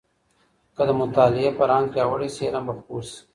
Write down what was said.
که د مطالعې فرهنګ پياوړی سي علم به خپور سي.